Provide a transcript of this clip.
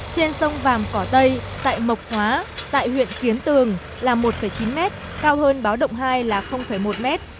trên sông vàm cỏ tây tại mộc hóa tại huyện kiến tường là một chín m cao hơn báo động hai là một m